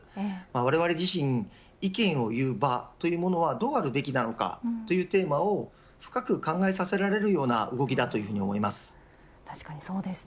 われわれ自身意見を言う場というものはどうあるべきなのかというテーマを深く考えさせるような動きだと思います。